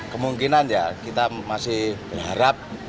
kemungkinan ya kita masih berharap